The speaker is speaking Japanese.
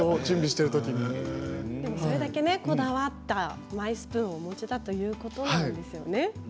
それだけこだわったマイスプーンお持ちだということなんですね。